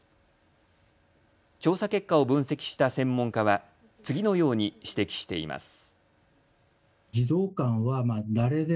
調査結果を分析した専門家は次のように指摘しています。